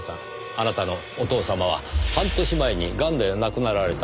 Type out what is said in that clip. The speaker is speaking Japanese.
あなたのお父様は半年前にガンで亡くなられた。